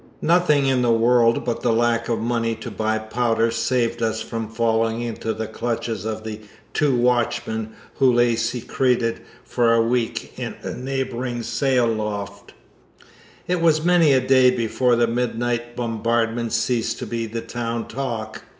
Nothing in the world but the lack of money to buy powder saved us from falling into the clutches of the two watchmen who lay secreted for a week in a neighboring sail loft. It was many a day before the midnight bombardment ceased to be the town talk.